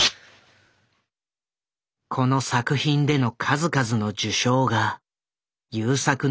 この作品での数々の受賞が優作の評価を高めた。